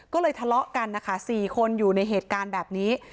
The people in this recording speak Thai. ก็เลยทะเลาะกันนะคะ๔คนอยู่ในเหตุการณ์แบบนี้